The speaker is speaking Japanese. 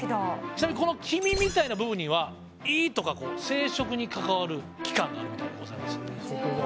ちなみにこの黄身みたいな部分には胃とか生殖に関わる器官があるみたいでございます。